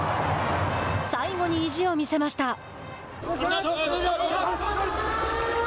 最後に意地を見せました。